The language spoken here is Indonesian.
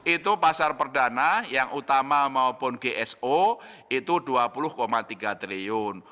itu pasar perdana yang utama maupun gso itu rp dua puluh tiga triliun